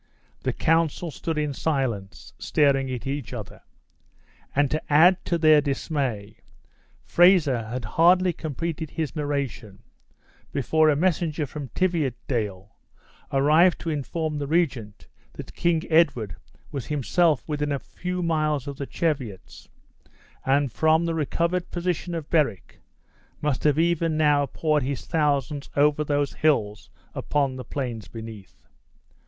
The council stood in silence, staring on each other; and, to add to their dismay, Fraser had hardly completed his narration, before a messenger from Tiviotdale arrived to inform the regent that King Edward was himself within a few miles of the Cheviots; and, from the recovered position of Berwick, must have even now poured his thousands over those hills upon the plains beneath.